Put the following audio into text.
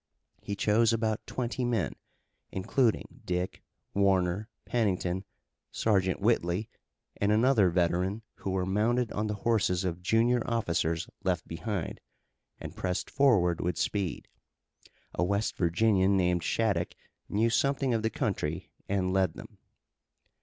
He chose about twenty men, including Dick, Warner, Pennington, Sergeant Whitley, and another veteran who were mounted on the horses of junior officers left behind, and pressed forward with speed. A West Virginian named Shattuck knew something of the country, and led them.